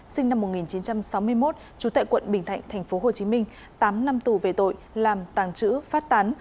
sinh năm một nghìn chín trăm sáu mươi một trú tại quận bình thạnh tp hcm tám năm tù về tội làm tàng trữ phát tán